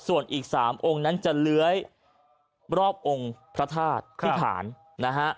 ส่วนอีก๓องค์นั้นจะเลื้อยรอบองค์พระธาตุพิษฐานนะฮะ